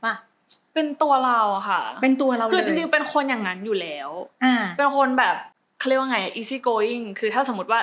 มันเป็นตัวเราจริงเลยป่ะ